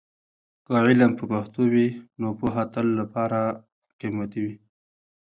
که علم په پښتو وي، نو پوهه تل لپاره قیمتي وي.